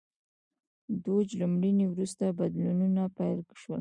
دوج له مړینې وروسته بدلونونه پیل شول.